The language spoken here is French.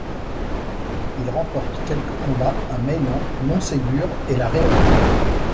Il remporte quelques combats à Meilhan, Monségur et La Réole.